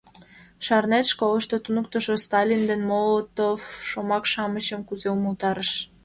Шарнет, школышто туныктышо «Сталин» ден «Молотов» шомак-шамычым кузе умылтарыш?